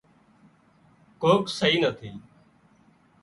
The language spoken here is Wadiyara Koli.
ڪوڪ سئي نٿي